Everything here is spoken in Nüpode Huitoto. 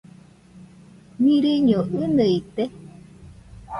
Mirɨño ɨnɨite?